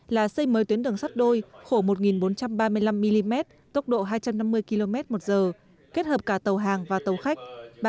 là xây mới tuyến đường sắt đôi khổ một bốn trăm ba mươi năm mm tốc độ hai trăm năm mươi km một giờ kết hợp cả tàu hàng và tàu khách